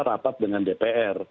rapat dengan dpr